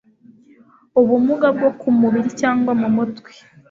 ubumuga bwo ku mubiri cyangwa mu mutwe